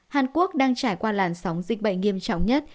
hàn quốc đang trải qua làn sóng dịch bệnh nghiêm trọng nhất